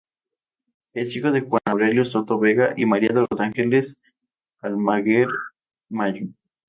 Es hijo de Juan Aurelio Soto Vega y María de los Ángeles Almaguer Mayo.